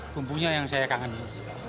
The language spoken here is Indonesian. bumbunya yang saya kangenin